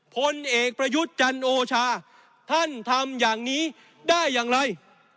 พลเอกประยุทธ์จันโอชาท่านทำอย่างนี้ได้อย่างไร